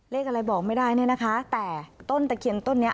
เลขอะไรบอกไม่ได้เนี่ยนะคะแต่ต้นตะเคียนต้นนี้